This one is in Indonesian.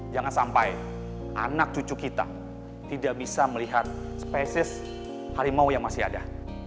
jangan sampai anak cucu kita tidak bisa melihat spesies harimau yang masih ada